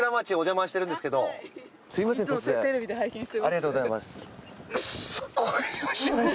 ありがとうございます。